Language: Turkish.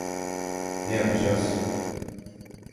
Ne yapıcaz?